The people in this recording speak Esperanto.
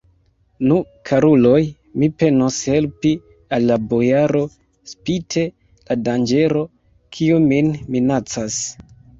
Nu, karuloj, mi penos helpi al la bojaro, spite la danĝero, kiu min minacas.